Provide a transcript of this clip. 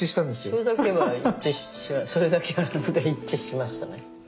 それだけは一致しましたね。